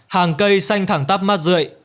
hàng cây xanh thẳng tắp mắt rợi